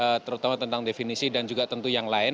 dan kita harus berhubungan dengan definisi dan juga tentu yang lain